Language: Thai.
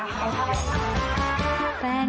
เฮ้เฮเฮ้เฮ